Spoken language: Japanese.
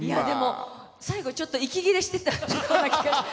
でも、最後、ちょっと息切れしてたような気が。